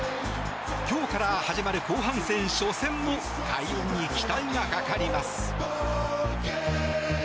今日から始まる後半戦初戦の快音に期待がかかります。